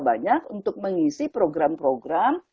banyak untuk mengisi program program